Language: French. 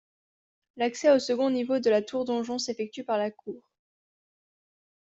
L'accès au second niveau de la tour-donjon s'effectue par la cour.